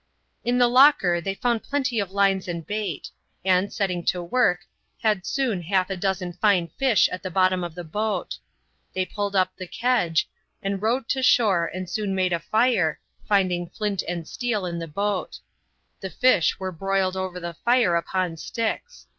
In the locker they found plenty of lines and bait, and, setting to work, had soon half a dozen fine fish at the bottom of the boat. They pulled up the kedge and rowed to shore and soon made a fire, finding flint and steel in the boat. The fish were broiled over the fire upon sticks.